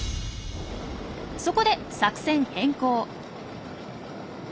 そこで作戦変更。